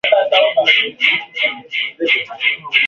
Idadi ya vifo kutokana na ugonjwa wa ndigana kali inakuwa ndogo